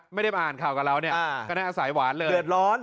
ไม่ได้มาอ่านข่าวกับเราเนี่ยก็ได้อาศัยหวานเลยเดือดร้อน